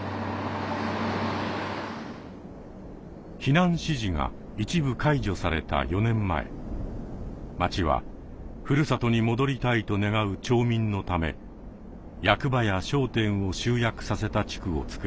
避難指示が一部解除された４年前町は故郷に戻りたいと願う町民のため役場や商店を集約させた地区をつくりました。